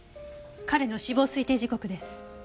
彼の死亡推定時刻です。